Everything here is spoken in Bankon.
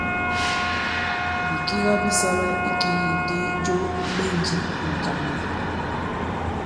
Bìkiga bi sala ikigikdi jo i ɓɛ̀njì ì ŋ̀kànlɛ̀.